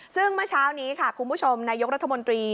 ซึ่งเมื่อเช้านี้ค่ะคุณผู้ชมนายกรัฐมนตรี